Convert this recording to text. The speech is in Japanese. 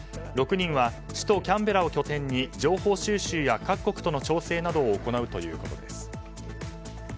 ６人は首都キャンベラを拠点に情報収集や各国との調整を行うということです。